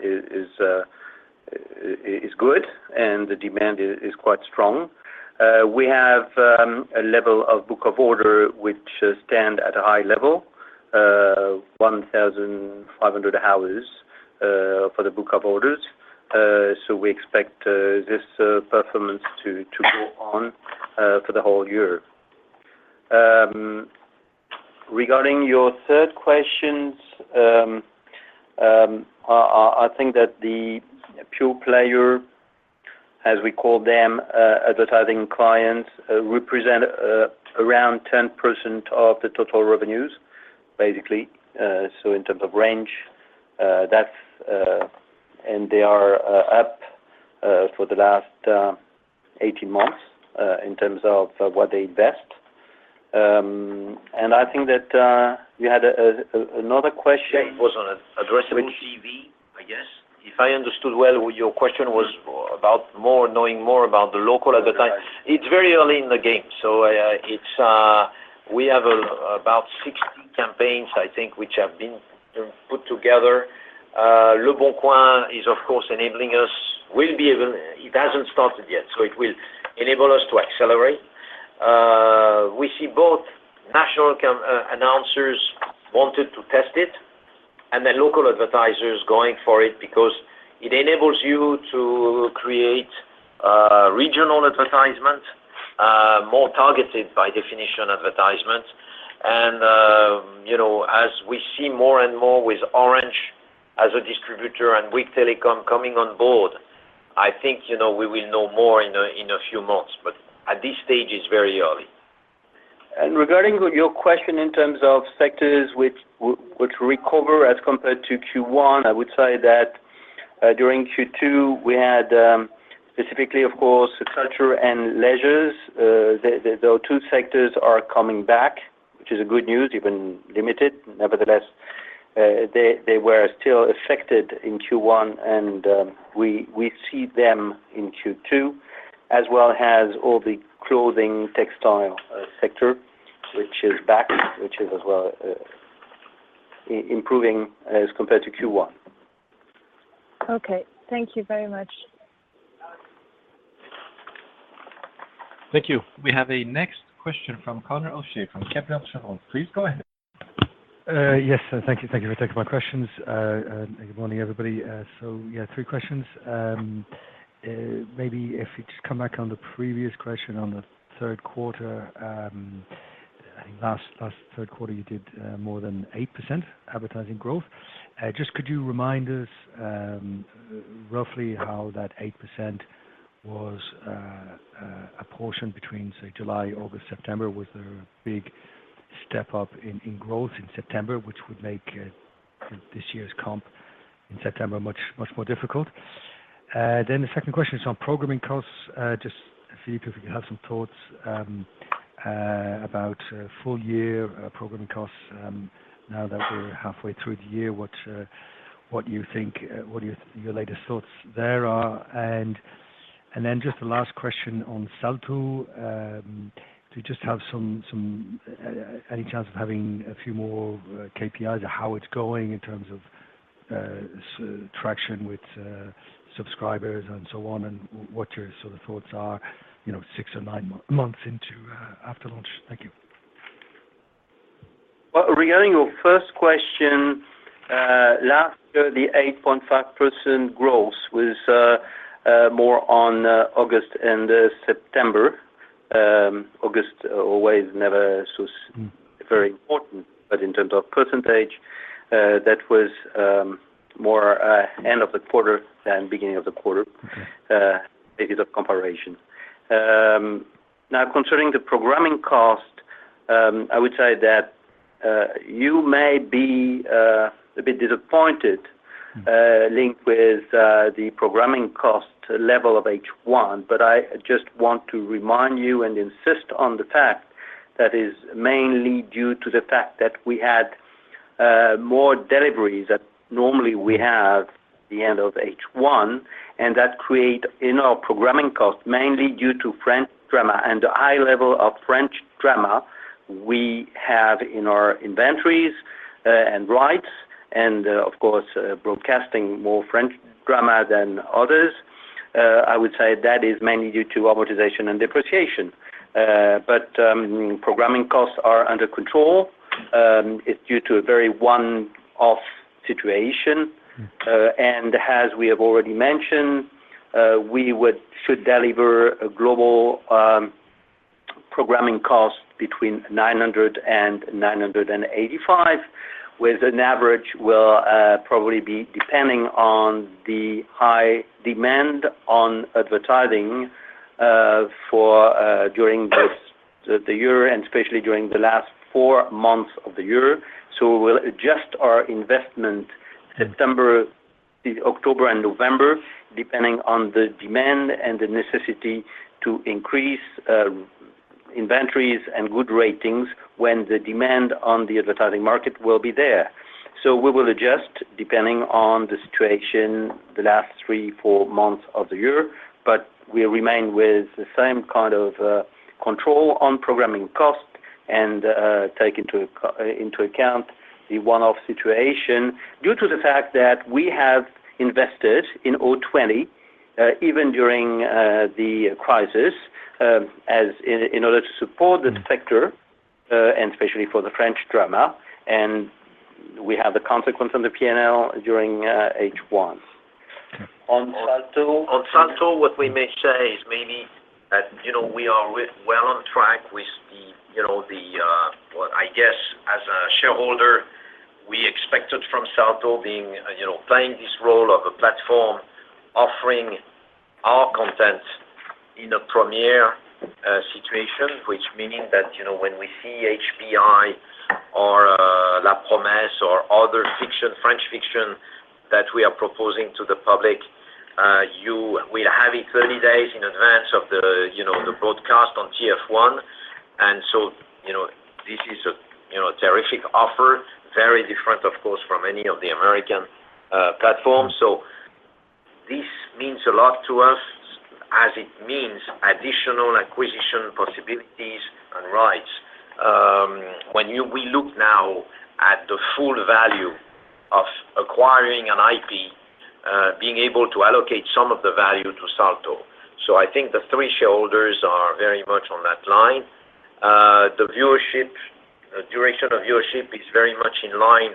is good, and the demand is quite strong. We have a level of book of order which stands at a high level, 1,500 hours for the book of orders. We expect this performance to go on for the whole year. Regarding your third questions, I think that the pure player, as we call them, advertising clients, represent around 10% of the total revenues, basically. They are up for the last 18 months in terms of what they invest. I think that we had another question. It was on addressable TV, I guess. If I understood well, your question was about knowing more about the local advertising. It's very early in the game. We have about 16 campaigns, I think, which have been put together. Leboncoin is, of course, enabling us. It hasn't started yet, so it will enable us to accelerate. We see both national announcers wanted to test it and then local advertisers going for it because it enables you to create regional advertisements, more targeted by definition advertisements. As we see more and more with Orange as a distributor and with Bouygues Telecom coming on board, I think we will know more in a few months. At this stage, it's very early. Regarding your question in terms of sectors which recover as compared to Q1, I would say that during Q2, we had specifically, of course, culture and leisures. Those two sectors are coming back, which is good news, even limited. Nevertheless, they were still affected in Q1, and we see them in Q2, as well as all the clothing textile sector, which is back, which is as well improving as compared to Q1. Okay. Thank you very much. Thank you. We have a next question from Conor O'Shea from Kepler Cheuvreux. Please go ahead. Yes. Thank you for taking my questions. Good morning, everybody. Yeah, three questions. Maybe if you just come back on the previous question on the third quarter. I think last third quarter, you did more than 8% advertising growth. Just could you remind us roughly how that 8% was apportioned between, say, July, August, September? Was there a big step up in growth in September, which would make this year's comp in September much more difficult? The second question is on programming costs. Just Philippe, if you could have some thoughts about full year programming costs now that we're halfway through the year, what your latest thoughts there are. Just the last question on Salto. Do you just have any chance of having a few more KPIs of how it's going in terms of traction with subscribers and so on, and what your sort of thoughts are six or nine months into after launch? Thank you. Well, regarding your first question, last year, the 8.5% growth was more on August and September. August always never was very important, but in terms of percentage, that was more end of the quarter than beginning of the quarter because of comparison. Concerning the programming cost, I would say that you may be a bit disappointed, linked with the programming cost level of H1. I just want to remind you and insist on the fact that is mainly due to the fact that we had more deliveries than normally we have at the end of H1, and that create in our programming cost, mainly due to French drama and the high level of French drama we have in our inventories and rights, and of course, broadcasting more French drama than others. I would say that is mainly due to amortization and depreciation. Programming costs are under control. It's due to a very one-off situation. As we have already mentioned, we should deliver a global programming cost between 900 and 985, with an average will probably be, depending on the high demand on advertising during both the year and especially during the last four months of the year. We'll adjust our investment September, October, and November depending on the demand and the necessity to increase inventories and good ratings when the demand on the advertising market will be there. We will adjust depending on the situation the last three, four months of the year, but we remain with the same kind of control on programming cost and take into account the one-off situation due to the fact that we have invested in Euro 2020 even during the crisis in order to support the sector, and especially for the French drama. We have the consequence on the P&L during H1. On Salto? On Salto, what we may say is maybe that we are well on track with the, what I guess as a shareholder, we expected from Salto playing this role of a platform offering our content in a premiere situation, which meaning that when we see HPI or La Promesse or other French fiction that we are proposing to the public, you will have it 30 days in advance of the broadcast on TF1. This is a terrific offer, very different, of course, from any of the American platforms. This means a lot to us as it means additional acquisition possibilities and rights. When we look now at the full value of acquiring an IP. Being able to allocate some of the value to Salto. I think the three shareholders are very much on that line. The duration of viewership is very much in line,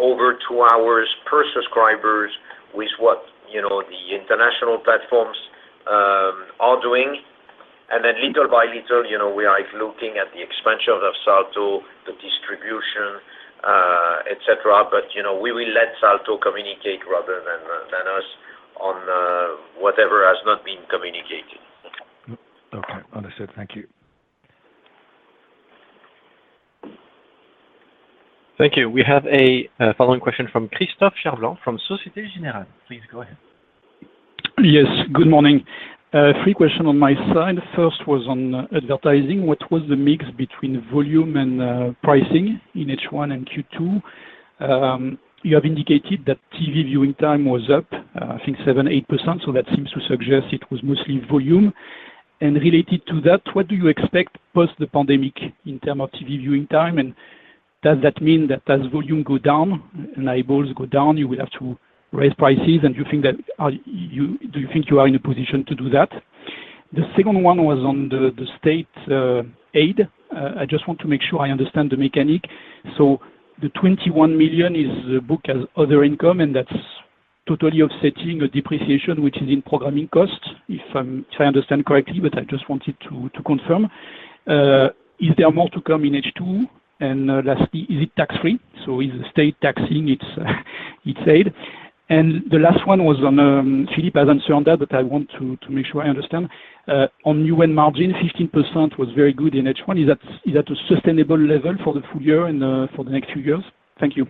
over two hours per subscribers with what the international platforms are doing. Little by little, we are looking at the expansion of Salto, the distribution, et cetera. We will let Salto communicate rather than us on whatever has not been communicated. Okay. Understood. Thank you. Thank you. We have a following question from Christophe Cherblanc from Societe Generale. Please go ahead. Yes, good morning. Three questions on my side. First was on advertising. What was the mix between volume and pricing in H1 and Q2? You have indicated that TV viewing time was up, I think 7%-8%, so that seems to suggest it was mostly volume. Related to that, what do you expect post the pandemic in terms of TV viewing time? Does that mean that as volume go down and eyeballs go down, you will have to raise prices, and do you think you are in a position to do that? The second one was on the state aid. I just want to make sure I understand the mechanic. The 21 million is booked as other income, and that's totally offsetting a depreciation which is in programming cost, if I understand correctly, but I just wanted to confirm. Is there more to come in H2? Lastly, is it tax-free? Is the state taxing its aid? The last one was on, Philippe has answered that, but I want to make sure I understand. On Newen margin, 15% was very good in H1. Is that a sustainable level for the full year and for the next few years? Thank you.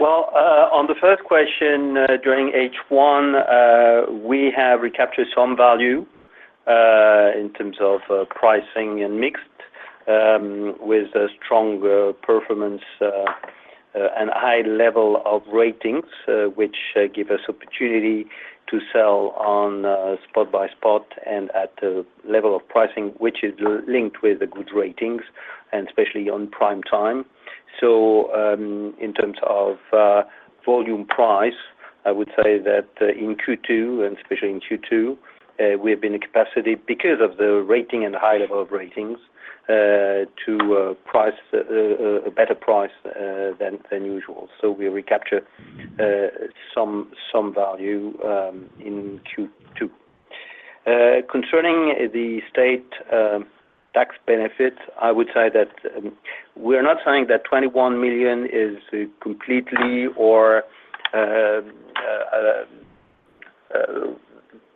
Well, on the first question, during H1, we have recaptured some value, in terms of pricing and mix, with a strong performance, and high level of ratings, which give us opportunity to sell on spot by spot and at a level of pricing, which is linked with the good ratings and especially on prime time. In terms of volume price, I would say that in Q2, and especially in Q2, we have been in capacity because of the rating and high level of ratings, to a better price than usual. We recapture some value in Q2. Concerning the state tax benefit, I would say that we are not saying that 21 million is completely or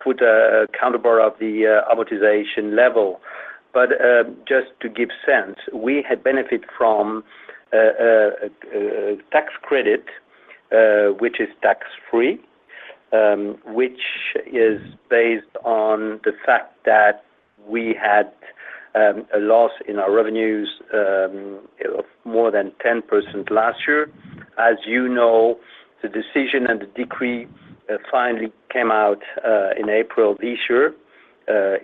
put a counterpart of the amortization level. Just to give sense, we had benefit from a tax credit, which is tax-free, which is based on the fact that we had a loss in our revenues of more than 10% last year. As you know, the decision and the decree finally came out in April this year,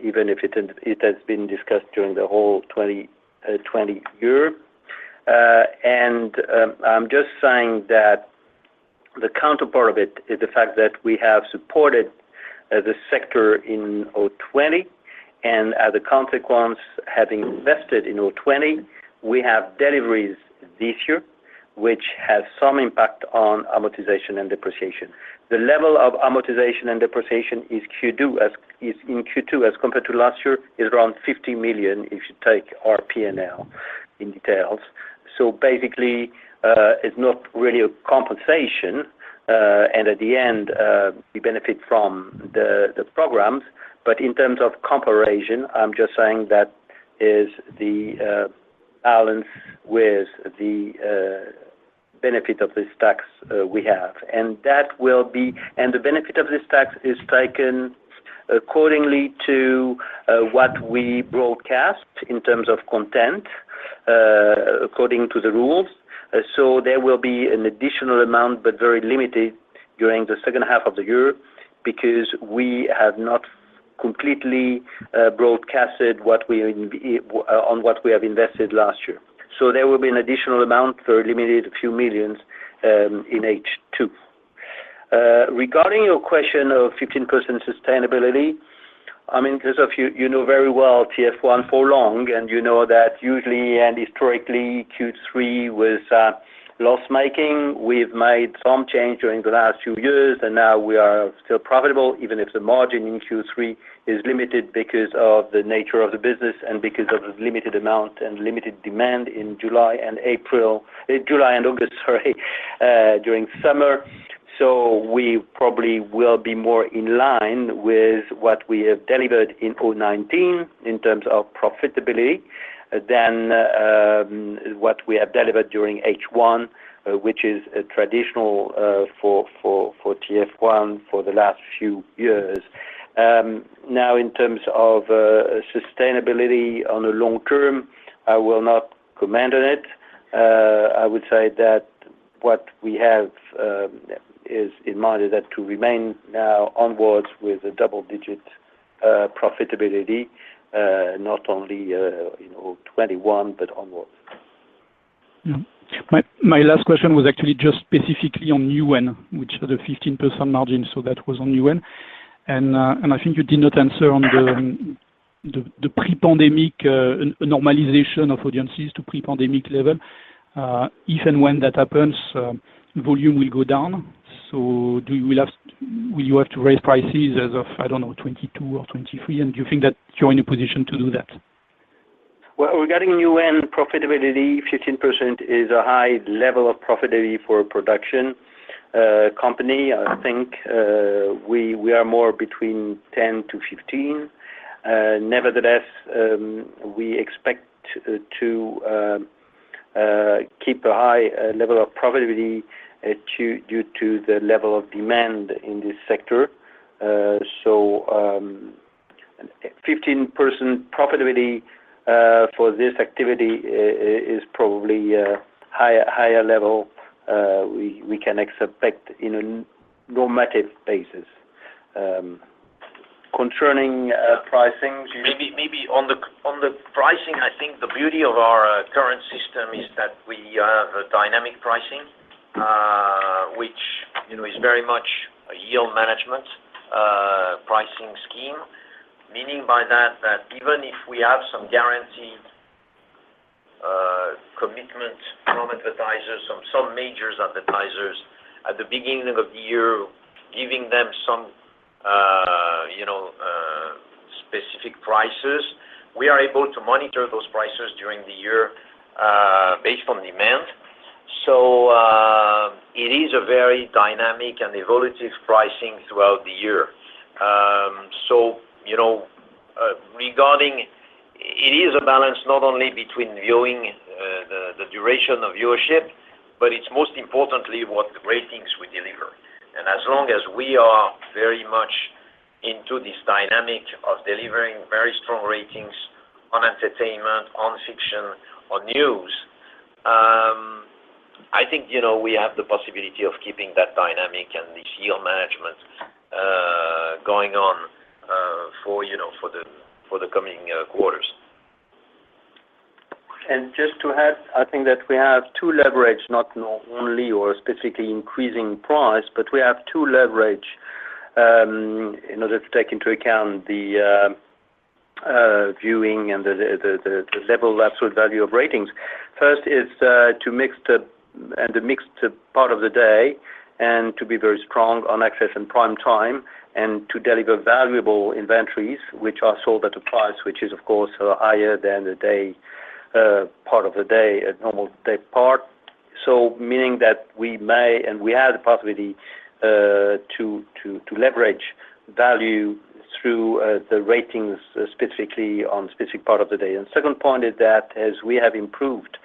even if it has been discussed during the whole 2020 year. I'm just saying that the counterpart of it is the fact that we have supported the sector in 2020, and as a consequence, having invested in 2020, we have deliveries this year, which has some impact on amortization and depreciation. The level of amortization and depreciation in Q2 as compared to last year, is around 50 million, if you take our P&L in detail. Basically, it's not really a compensation. At the end, we benefit from the programs. In terms of comparation, I'm just saying that is the balance with the benefit of this tax we have. The benefit of this tax is taken accordingly to what we broadcast in terms of content, according to the rules. There will be an additional amount, but very limited during the second half of the year because we have not completely broadcasted on what we have invested last year. There will be an additional amount for a limited few millions in H2. Regarding your question of 15% sustainability, in terms of you know very well TF1 for long, and you know that usually and historically, Q3 was loss-making. We've made some change during the last few years. Now we are still profitable, even if the margin in Q3 is limited because of the nature of the business and because of the limited amount and limited demand in July and August during summer. We probably will be more in line with what we have delivered in 2019 in terms of profitability than what we have delivered during H1, which is traditional for TF1 for the last few years. Now, in terms of sustainability on the long term, I will not comment on it. I would say that what we have is in mind is that to remain now onwards with a double-digit profitability, not only 2021, but onwards. My last question was actually just specifically on Newen, which had a 15% margin, so that was on Newen. I think you did not answer on the pre-pandemic normalization of audiences to pre-pandemic level. If and when that happens, volume will go down. Will you have to raise prices as of, I don't know, 2022 or 2023? Do you think that you are in a position to do that? Well, regarding Newen profitability, 15% is a high level of profitability for a production company. I think we are more between 10%-15%. Nevertheless, we expect to keep a high level of profitability due to the level of demand in this sector. 15% profitability for this activity is probably a higher level we can expect in a normative basis. Maybe on the pricing, I think the beauty of our current system is that we have a dynamic pricing, which is very much a yield management pricing scheme. Meaning by that even if we have some guaranteed commitment from advertisers, some major advertisers at the beginning of the year, giving them some specific prices. We are able to monitor those prices during the year, based on demand. It is a very dynamic and evolutive pricing throughout the year. Regarding, it is a balance not only between viewing the duration of viewership, but it's most importantly what ratings we deliver. As long as we are very much into this dynamic of delivering very strong ratings on entertainment, on fiction, on news, I think, we have the possibility of keeping that dynamic and this yield management going on for the coming quarters. Just to add, I think that we have to leverage not only or specifically increasing price, but we have to leverage in order to take into account the viewing and the level absolute value of ratings. First is to mix the part of the day and to be very strong on access and prime time and to deliver valuable inventories, which are sold at a price which is, of course, higher than the part of the day at normal daypart. Meaning that we may, and we have the possibility to leverage value through the ratings specifically on specific part of the day. Second point is that as we have improved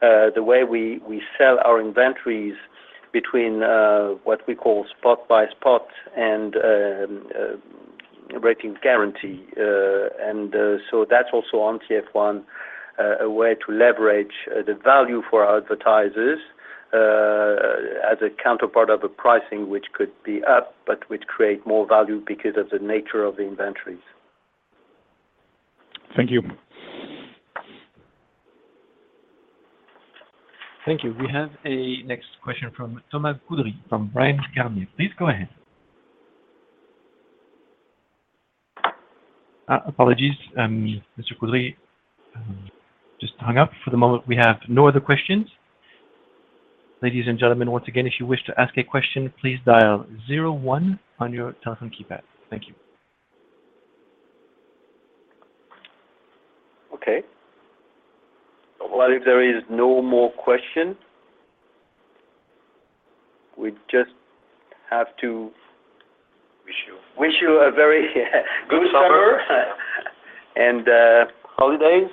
the way we sell our inventories between what we call spot by spot and ratings guarantee. That's also on TF1, a way to leverage the value for our advertisers as a counterpart of a pricing which could be up, but which create more value because of the nature of the inventories. Thank you. Thank you. We have a next question from Thomas Coudry from Bryan, Garnier. Please go ahead. Apologies, Mr. Coudry just hung up. For the moment, we have no other questions. Ladies and gentlemen, once again, if you wish to ask a question, please dial zero one on your telephone keypad. Thank you. Okay. Well, if there is no more question. Wish you. Wish you a very good summer. Holidays.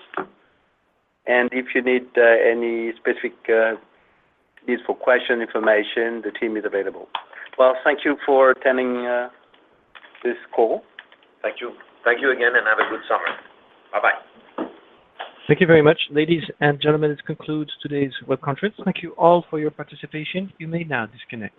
If you need any specific useful question information, the team is available. Well, thank you for attending this call. Thank you. Thank you again, and have a good summer. Bye-bye. Thank you very much. Ladies and gentlemen, this concludes today's web conference. Thank you all for your participation. You may now disconnect.